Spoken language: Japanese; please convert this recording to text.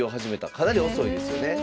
かなり遅いですよね。